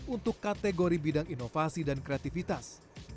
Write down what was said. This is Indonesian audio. untuk kategori bidang inovasi dan kreativitas